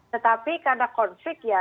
tetapi karena konflik ya